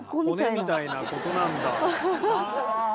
骨みたいなここなんだ。